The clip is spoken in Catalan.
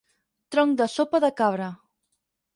Tronc de Sopa de Cabra.